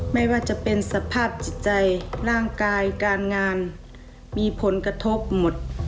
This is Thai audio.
ไม่ว่าจะเป็นสภาพจิตใจร่างกายการงานมีผลกระทบหมด